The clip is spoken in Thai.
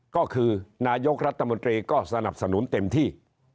ก็คือนายกรัฐมนตรีก็สนับสนุนเต็มที่